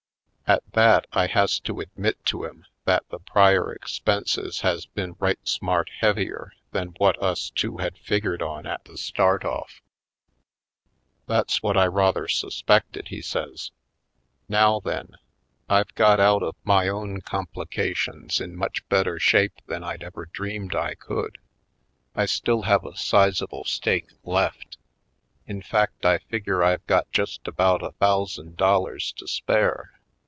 At that I has to admit to him that the prior expenses has been right smart heavier than what us two had figured on at the start of]f. "That's what I rather suspected," he says. "Now then, I've got out of my own compli 262 /. Poindexter^ Colored cations in much better shape than I'd ever dreamed I could. I still have a sizeable stake left. In fact I figure I've got just about a thousand dollars to spare.